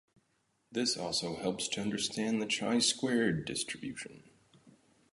This also helps to understand the chi-squared distribution.